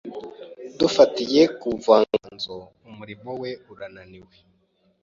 Dufatiye ku buvanganzo, umurimo we urananiwe.